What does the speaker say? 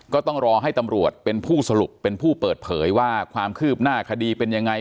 ก็ต้องรอให้ตำรวจเป็นผู้สรุปเป็นผู้เปิดเผยว่าความคืบหน้าคดีเป็นยังไง